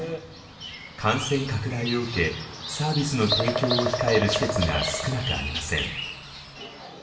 感染拡大を受けサービスの提供を控える施設が少なくありません。